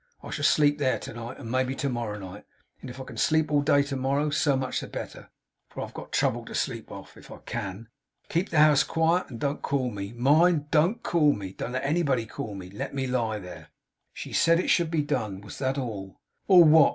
I shall sleep there to night, and maybe to morrow night; and if I can sleep all day to morrow, so much the better, for I've got trouble to sleep off, if I can. Keep the house quiet, and don't call me. Mind! Don't call me. Don't let anybody call me. Let me lie there.' She said it should be done. Was that all? 'All what?